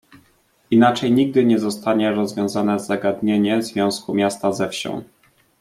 "Inaczej nigdy nie zostanie rozwiązane zagadnienie związku miasta ze wsią“."